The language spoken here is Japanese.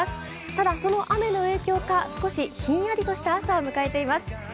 ただ、その雨の影響か、少しひんやりとした朝を迎えています。